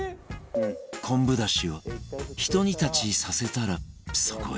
昆布出汁をひと煮立ちさせたらそこへ